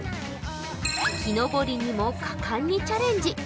木登りにも果敢にチャレンジ。